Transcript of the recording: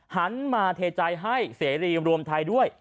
หันมาเทใจให้เสรีรวมไทยด้วย